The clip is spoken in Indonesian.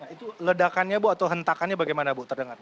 itu ledakannya bu atau hentakannya bagaimana bu terdengar